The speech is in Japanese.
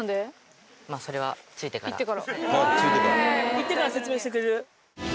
行ってから説明してくれる。